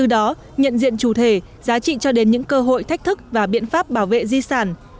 đó nhận diện chủ thể giá trị cho đến những cơ hội thách thức và biện pháp bảo vệ di sản